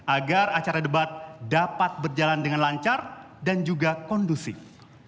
agar acara debat dapat berjalan dengan lancar dan juga kondusif